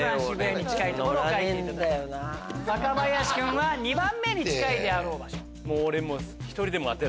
若林君は２番目に近いであろう場所。